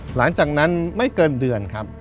หลังจากนั้นไม่เกินเดือนครับ